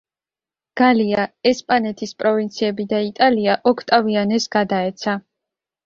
გალია, ესპანეთის პროვინციები და იტალია ოქტავიანეს გადაეცა.